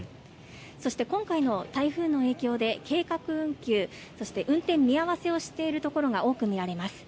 そして、今回の台風の影響で計画運休そして運転見合わせをしているところが多く見られます。